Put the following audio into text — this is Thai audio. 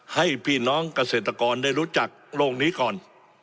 ให้พี่น้องเกษตรกรได้รู้จักโลกนี้ก่อน